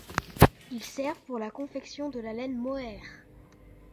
Ils servent pour la confection de la laine mohair.